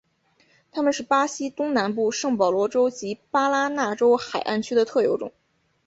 它们是巴西东南部圣保罗州及巴拉那州海岸区的特有种。